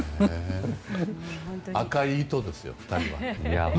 赤い糸ですよ、２人は。